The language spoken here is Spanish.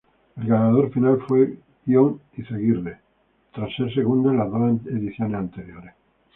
El ganador final fue Ion Izagirre, tras ser segundo en las dos ediciones anteriores.